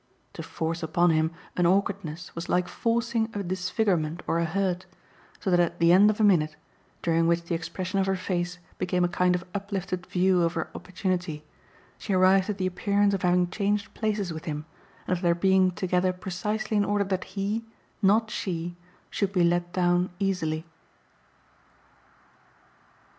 To force upon him an awkwardness was like forcing a disfigurement or a hurt, so that at the end of a minute, during which the expression of her face became a kind of uplifted view of her opportunity, she arrived at the appearance of having changed places with him and of their being together precisely in order that he not she should be let down easily.